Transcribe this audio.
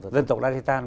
dân tộc dagestan